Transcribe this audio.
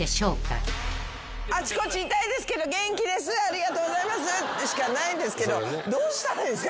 「あっちこっち痛いですけど元気ですありがとうございます」でしかないんですけどどうしたらいいんすか？